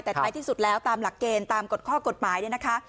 แต่ท้ายที่สุดแล้วตามหลักเกณฑ์ตามกฎข้อกฎหมายเนี่ยนะคะ